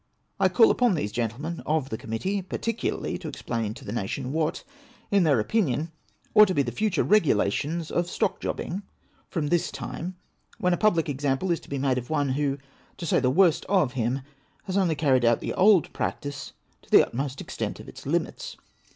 I call upon these gentlemen of the Committee par ticularly to explain to the nation what, in their opinion, ought to be the future regulations of stock jobbing from this time, when a public example is to be made of one, who, to say the worst of him, has only carried the old practice to the utmost extent of its limits.